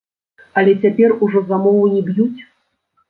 Але цяпер ужо за мову не б'юць.